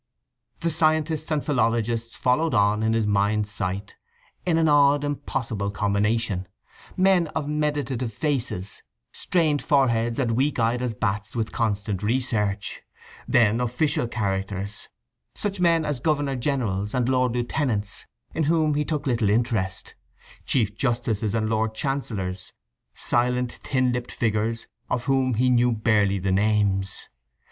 The scientists and philologists followed on in his mind sight in an odd impossible combination, men of meditative faces, strained foreheads, and weak eyed as bats with constant research; then official characters—such men as governor generals and lord lieutenants, in whom he took little interest; chief justices and lord chancellors, silent thin lipped figures of whom he knew barely the names.